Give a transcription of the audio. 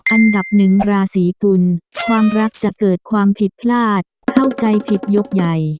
อันดับหนึ่งราศีกุลความรักจะเกิดความผิดพลาดเข้าใจผิดยกใหญ่